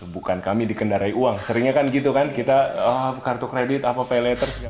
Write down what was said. bukan kami dikendarai uang seringnya kan gitu kan kita kartu kredit apa pay letter